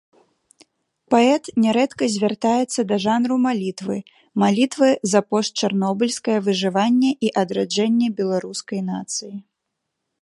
Паэт нярэдка звяртаецца да жанру малітвы, малітвы за постчарнобыльскае выжыванне і адраджэнне беларускай нацыі.